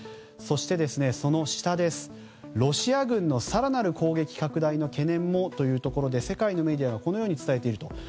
そしてロシア軍の更なる攻撃拡大の懸念もというところで世界のメディアはこのように伝えています。